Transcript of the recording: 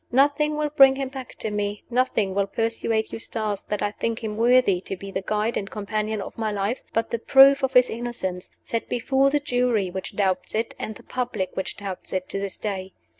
Nothing will bring him back to me nothing will persuade Eustace that I think him worthy to be the guide and companion of my life but the proof of his innocence, set before the Jury which doubts it, and the public which doubts it, to this day.